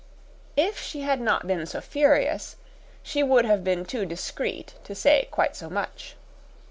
If she had not been so furious, she would have been too discreet to say quite so much.